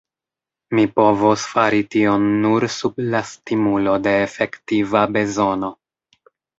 Mi povos fari tion nur sub la stimulo de efektiva bezono.